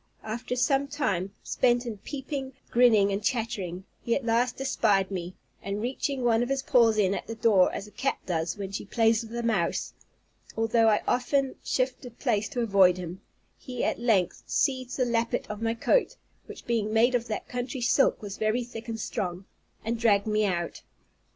After some time spent in peeping, grinning, and chattering, he at last espied me; and reaching one of his paws in at the door, as a cat does when she plays with a mouse, although I often shifted place to avoid him, he at length seized the lappet of my coat (which being made of that country silk, was very thick and strong), and dragged me out.